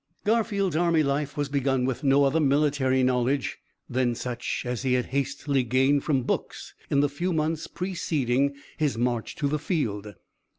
"Garfield's army life was begun with no other military knowledge than such as he had hastily gained from books in the few months preceding his march to the field.